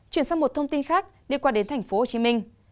chuyển sang một thông tin khác liên quan đến thành phố hồ chí minh